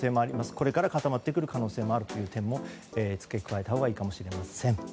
これから固まってくる可能性もあるという点も付け加えたほうがいいかもしれません。